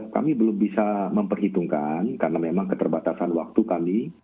kami belum bisa memperhitungkan karena memang keterbatasan waktu kami